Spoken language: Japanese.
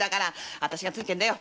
あたしがついてんだよ。